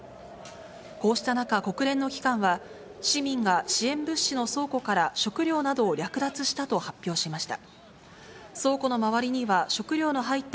こうした中、国連の機関は、市民が支援物資の倉庫から食料などを略奪したと発表しました。